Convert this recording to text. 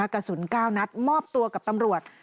กระสุน๙นัดมอบตัวกับตำรวจ